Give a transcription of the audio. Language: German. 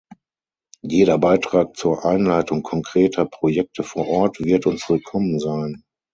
Jeder Beitrag zur Einleitung konkreter Projekte vor Ort wird uns willkommen sein.